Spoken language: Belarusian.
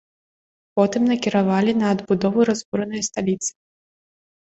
Потым накіравалі на адбудову разбуранай сталіцы.